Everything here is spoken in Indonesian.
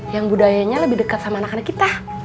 yang budayanya lebih dekat sama anak anak kita